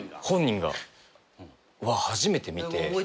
本人が。は初めて見て。